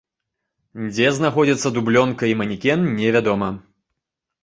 Дзе знаходзяцца дублёнка і манекен, невядома.